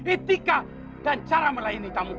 etika dan cara melayani tamu